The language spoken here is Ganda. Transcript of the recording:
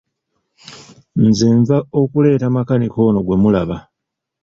Nze nva okuleeta makanika ono gwe mulaba!